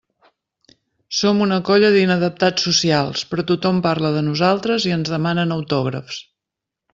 Som una colla d'inadaptats socials, però tothom parla de nosaltres i ens demanen autògrafs.